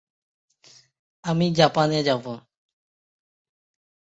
অনেক গ্রামে ছোট ব্যাংক শাখা এবং স্বয়ংক্রিয় টেলার মেশিন আছে।